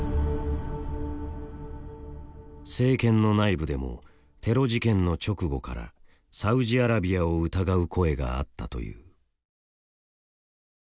政権の内部でもテロ事件の直後からサウジアラビアを疑う声があったという。